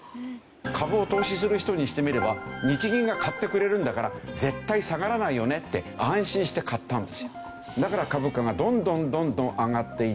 株を投資する人にしてみれば日銀が買ってくれるんだから絶対下がらないよねってだから株価がどんどんどんどん上がっていった。